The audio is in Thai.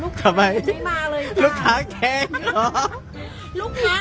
ลูกค้าหายไปเลยค่ะคุณแม่